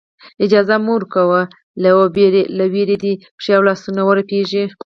اجازه مه ورکوه له وېرې دې پښې او لاسونه ورپېږي.